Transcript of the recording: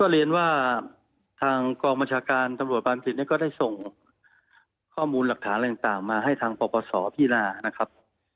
เรียนว่ากองบัญชาการตรบบราบปราบผิดแบบนี้ก็ได้ส่งข้อมูลหลักฐานอะไรต่างมาให้พปสพินานะครับ